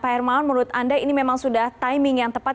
pak hermawan menurut anda ini memang sudah timing yang tepat